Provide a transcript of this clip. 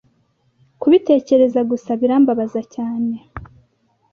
kubitekereza gusa birambabaza cyane,